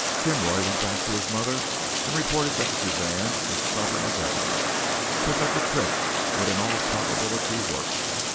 Kinroy went back to his mother and reported that Suzanne was stubborn as ever, but that the trick would in all probability work.